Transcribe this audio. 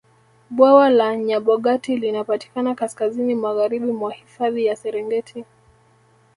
bwawa la nyabogati linapatikana kaskazini magharibi mwa hifadhi ya serengeti